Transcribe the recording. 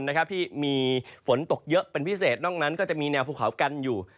ที่มีฝนตกเยอะเป็นพิเศษนอกนั้นก็จะมีแนวภูเขากันอยู่